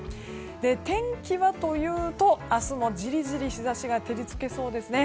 天気はというと、明日もじりじり日差しが照り付けそうですね。